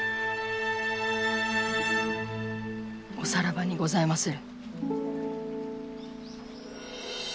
おさらばにございまする。